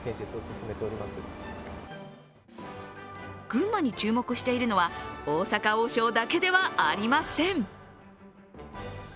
群馬に注目しているのは大阪王将だけではありません。